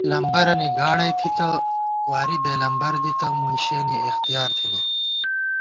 لمبَرَنی گاڑَئی تھِتہ واری بېلمبر دِتہ مُنشِیَنی اختِیار تھنی